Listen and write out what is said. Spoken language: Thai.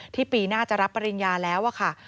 ปีหน้าจะรับปริญญาแล้วค่ะ